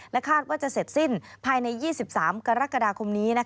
คาดว่าจะเสร็จสิ้นภายใน๒๓กรกฎาคมนี้